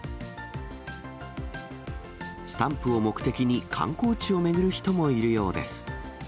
スタンプを目的に観光地を巡る人もいるようです。